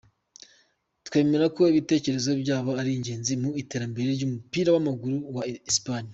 "Twemera ko ibitekerezo byabo ari ingenzi mu iterambere ry'umupira w'amaguru wa Espanye.